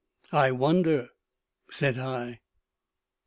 "I wonder," said I.